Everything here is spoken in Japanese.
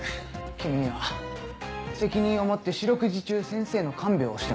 君には責任を持って四六時中先生の看病をしてもらう。